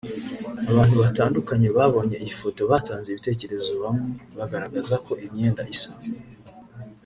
Abantu batandukanye babonye iyi foto batanze ibitekerezo bamwe bagaragaza ko imyenda isa